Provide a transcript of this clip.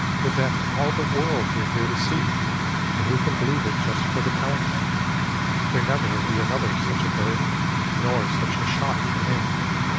Would that all the world were here to see, for who can believe it just for the telling? There never will be another such a bird, nor such a shot, for him.